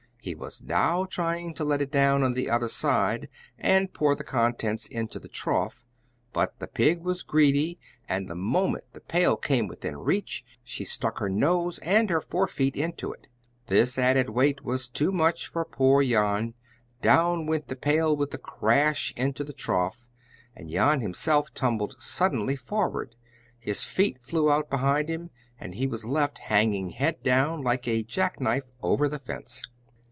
He was now trying to let it down on the other side and pour the contents into the trough, but the pig was greedy, and the moment the pail came within reach, she stuck her nose and her fore feet into it. This added weight was too much for poor Jan; down went the pail with a crash into the trough, and Jan himself tumbled suddenly forward, his feet flew out behind, and he was left hanging head down, like a jack knife, over the fence!